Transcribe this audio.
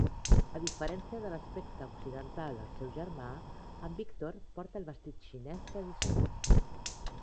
A diferència de l'aspecte occidental del seu germà, en Victor porta el vestit xinés tradicional.